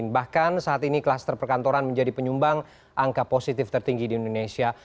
bahkan saat ini kluster perkantoran menjadi penyumbang angka positif tertinggi di indonesia